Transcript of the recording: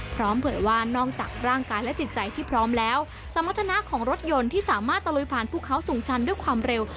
เผยว่านอกจากร่างกายและจิตใจที่พร้อมแล้วสมรรถนะของรถยนต์ที่สามารถตะลุยผ่านภูเขาสูงชันด้วยความเร็ว